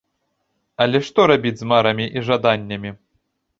Але што рабіць з марамі і жаданнямі?